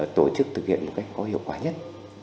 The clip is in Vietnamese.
tổ chức thực hiện một cách có hiệu quả nhất